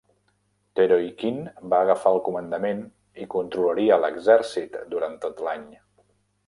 Teryokhin va agafar el comandament i controlaria l'Exèrcit durant tot l'any.